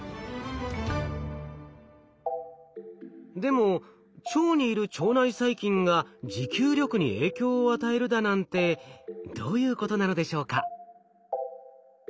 でも腸にいる腸内細菌が持久力に影響を与えるだなんてどういうことなのでしょうか？